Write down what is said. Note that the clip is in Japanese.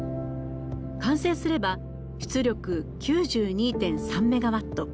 完成すれば出力９２．３メガワット。